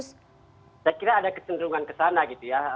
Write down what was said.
saya kira ada kesenderungan ke sana gitu ya